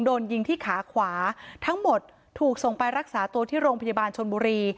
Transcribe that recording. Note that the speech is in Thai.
โดนยิงที่ขาขวาทั้งหมดถูกส่งไปรักษาตัวที่โรงพยาบาลชนบุรี